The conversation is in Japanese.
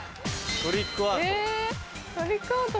トリックアート。